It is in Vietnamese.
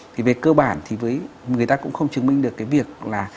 thì về cơ bản thì người ta cũng không chứng minh được cái việc là